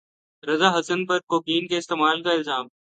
رضا حسن پر کوکین کے استعمال کا الزام